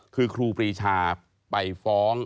คือครูปรีชาไปฟ้อง